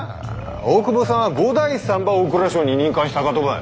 大久保さんは五代さんば大蔵省に任官したかとばい。